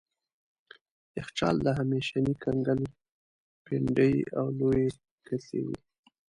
یخچال د همیشني کنګل پنډې او لويې کتلې دي.